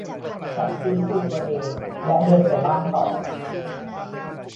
ฉันฟื้นฟูตัวเองและเดินไปบ้านต่อ